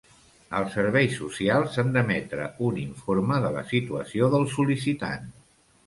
Els serveis socials han d'emetre un informe de la situació del sol·licitant.